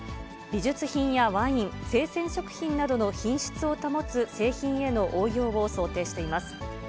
美術品やワイン、生鮮食品などの品質を保つ製品への応用を想定しています。